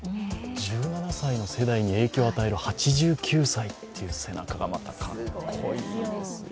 １７歳の世代に影響を与える８９歳という背中がまた格好いいですよ。